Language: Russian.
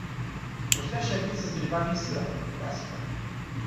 Хрустящая пицца с грибами и сыром - классика.